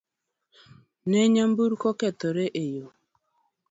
Ne nyamburko okethore e yoo